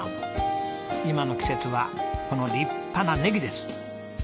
今の季節はこの立派なネギです。